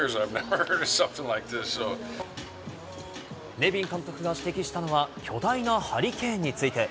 ネビン監督が指摘したのは巨大なハリケーンについて。